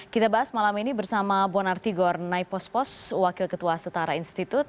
kita bahas malam ini bersama bonar tigor naipospos wakil ketua setara institut